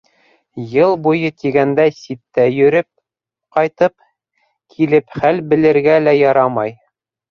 Йыл буйы тигәндәй ситтә йөрөп ҡайтып, килеп хәл белергә лә ярамай.